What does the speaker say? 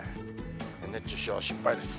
熱中症、心配です。